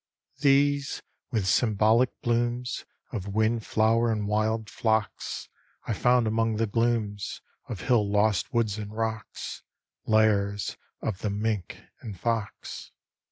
These, with symbolic blooms Of wind flower and wild phlox, I found among the glooms Of hill lost woods and rocks, Lairs of the mink and fox.